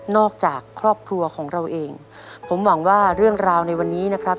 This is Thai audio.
จากครอบครัวของเราเองผมหวังว่าเรื่องราวในวันนี้นะครับ